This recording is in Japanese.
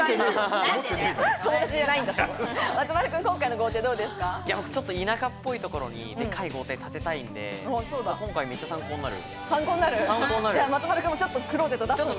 松丸君、今回の豪邸どうです田舎っぽいところに、でかい豪邸建てたいんで参考になる。